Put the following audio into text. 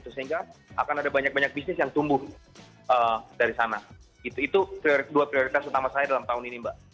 sehingga akan ada banyak banyak bisnis yang tumbuh dari sana itu dua prioritas utama saya dalam tahun ini mbak